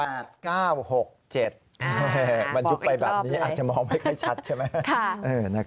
บอกอีกรอบเลยมันยุบไปแบบนี้อาจจะมองไม่ค่อยชัดใช่ไหม